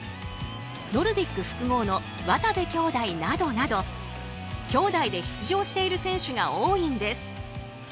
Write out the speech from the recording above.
ノルディック複合の渡部兄弟などなどきょうだいで出場している選手が多いんです。